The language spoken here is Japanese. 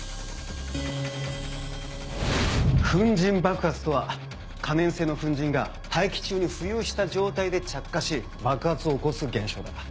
粉塵爆発とは可燃性の粉塵が大気中に浮遊した状態で着火し爆発を起こす現象だ